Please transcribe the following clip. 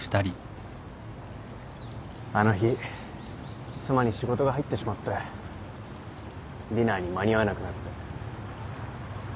あの日妻に仕事が入ってしまってディナーに間に合わなくなって。